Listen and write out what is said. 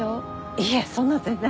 いえそんな全然。